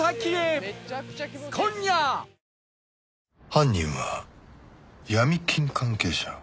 犯人はヤミ金関係者？